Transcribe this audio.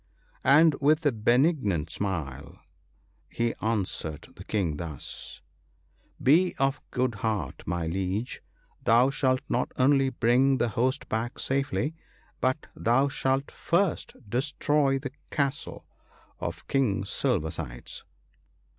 " And with a benignant smile, he answered the King thus, "Be of good heart, my Liege ; thou shalt not only bring the host back safely, but thou shalt first destroy the castle of King Silver sides."